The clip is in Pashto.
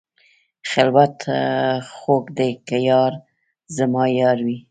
خلوت خوږ دی که یار زما یار وي.